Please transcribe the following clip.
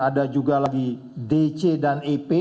ada juga lagi dc dan ep